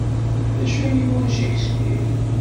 D acu ay yura Shakespeare?